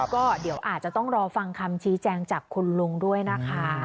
ก็เดี๋ยวอาจจะต้องรอฟังคำชี้แจงจากคุณลุงด้วยนะคะ